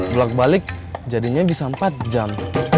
bulak balik jadinya bisa empat jam